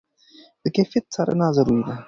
د کیفیت څارنه ضروري ده.